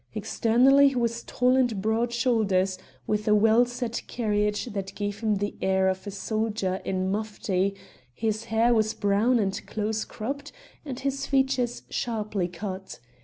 Externally he was tall and broad shouldered, with a well set carriage that gave him the air of a soldier in mufti; his hair was brown and close cropped and his features sharply cut.